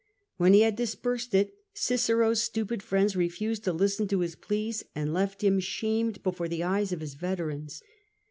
When he had dispersed it, Cicero's stupid friends refused to listen to his pleas and left him shamed before the eyes of his veterans.